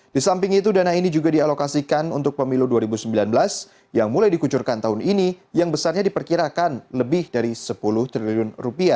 di samping itu dana ini juga dialokasikan untuk pemilu dua ribu sembilan belas yang mulai dikucurkan tahun ini yang besarnya diperkirakan lebih dari rp sepuluh triliun